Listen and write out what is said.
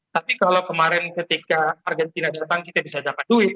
tapi kalau kemarin ketika argentina datang kita bisa dapat duit